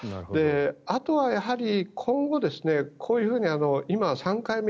あとは今後、こういうふうに今、３回目、